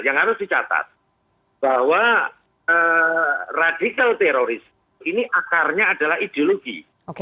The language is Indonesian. yang harus dicatat bahwa radikal teroris ini akarnya adalah ideologi